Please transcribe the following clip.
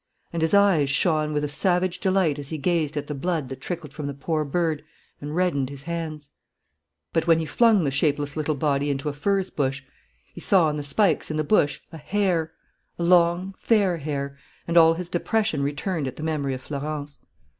And his eyes shone with a savage delight as he gazed at the blood that trickled from the poor bird and reddened his hands. But, when he flung the shapeless little body into a furze bush, he saw on the spikes in the bush a hair, a long, fair hair; and all his depression returned at the memory of Florence.